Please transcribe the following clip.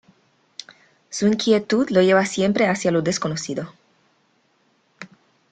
Su inquietud lo lleva siempre hacia lo desconocido.